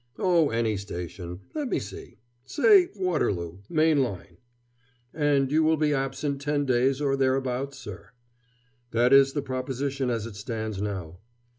"Oh, any station. Let me see say Waterloo, main line." "And you will be absent ten days or thereabouts, sir." "That is the proposition as it stands now."